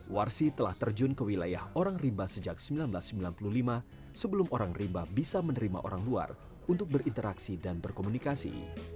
warsi telah terjun ke wilayah orang rimba sejak seribu sembilan ratus sembilan puluh lima sebelum orang rimba bisa menerima orang luar untuk berinteraksi dan berkomunikasi